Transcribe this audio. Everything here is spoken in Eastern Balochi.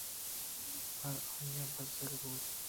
پرآئی ءَ بزّگے بُوت